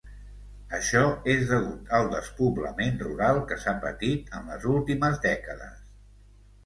Això és degut al despoblament rural que s'ha patit en les últimes dècades.